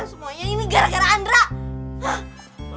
semuanya ini gara gara andra